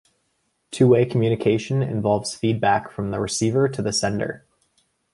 Two-way communication involves feedback from the receiver to the sender.